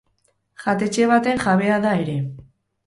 Jatetxe baten jabea da ere.